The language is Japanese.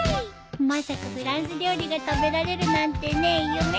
まさかフランス料理が食べられるなんてね夢みたい。